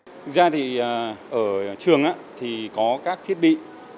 thực ra thì ở trường thì có các thiết bị